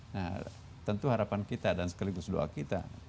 nah tentu harapan kita dan sekaligus doa kita